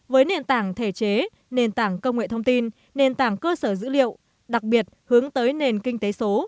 với nền tảng thể chế nền tảng công nghệ thông tin nền tảng cơ sở dữ liệu đặc biệt hướng tới nền kinh tế số